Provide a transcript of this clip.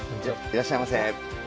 いらっしゃいませ。